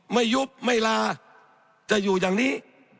ยุบไม่ลาจะอยู่อย่างนี้